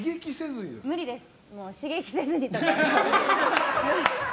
無理です、刺激せずにとか。